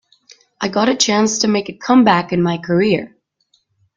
I got a chance to make a comeback in my career.